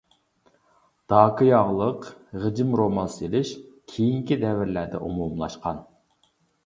داكا ياغلىق، غىجىم رومال سېلىش كېيىنكى دەۋرلەردە ئومۇملاشقان.